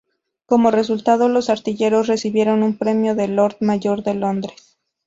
Como resultado, los artilleros recibieron un premio del Lord Mayor de Londres.